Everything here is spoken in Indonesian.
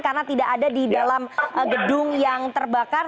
karena tidak ada di dalam gedung yang terbakar